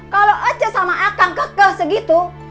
kalau aja sama akang kekeh segitu